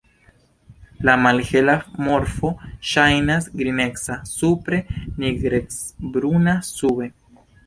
La malhela morfo ŝajnas nigreca supre, nigrecbruna sube.